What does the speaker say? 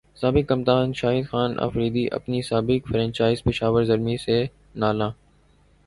سابق کپتان شاہد خان فریدی اپنی سابق فرنچائز پشاور زلمی سے نالاں